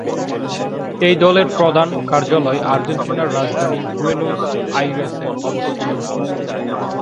এই দলের প্রধান কার্যালয় আর্জেন্টিনার রাজধানী বুয়েনোস আইরেসে অবস্থিত।